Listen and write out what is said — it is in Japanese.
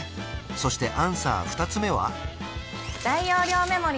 そしてアンサー２つ目は？